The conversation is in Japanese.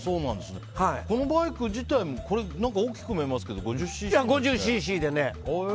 このバイク自体も大きく見えますけど５０ｃｃでね。